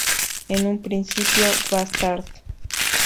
En un principio "Bastard!!